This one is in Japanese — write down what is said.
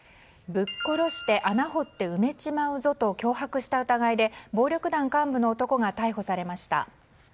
ぶっ殺して穴掘って埋めちまうぞと脅迫した疑いで暴力団幹部の男が逮捕されました。